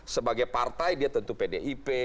sebagai partai dia tentu pdip